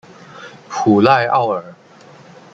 普赖奥尔。